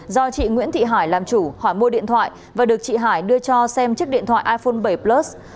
do chị nguyễn thị hải làm chủ hỏi mua điện thoại và được chị hải đưa cho xem chiếc điện thoại iphone bảy plus